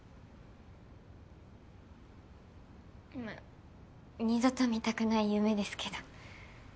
もう二度と見たくない夢ですけど。